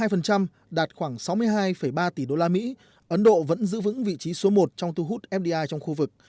đạt khoảng sáu mươi hai ba tỷ usd ấn độ vẫn giữ vững vị trí số một trong thu hút fdi trong khu vực